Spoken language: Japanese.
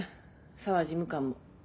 沢事務官も。